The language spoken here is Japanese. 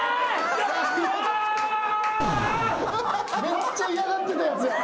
めっちゃ嫌がってたやつやん。